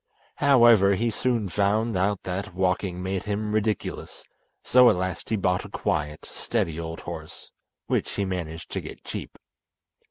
However, he soon found out that walking made him ridiculous, so at last he bought a quiet, steady old horse, which he managed to get cheap.